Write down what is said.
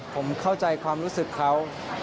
ผมเข้าใจความรู้สึกเขา